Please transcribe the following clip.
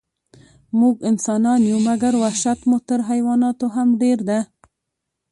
موږ انسانان یو، مګر وحشت مو تر حیواناتو هم ډېر ده.